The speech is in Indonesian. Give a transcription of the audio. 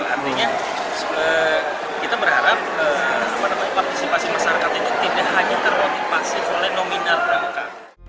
artinya kita berharap partisipasi masyarakat itu tidak hanya termotivasi oleh nominal berangkat